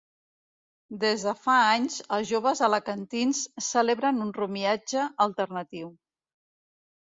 Des de fa anys, els joves alacantins celebren un romiatge alternatiu.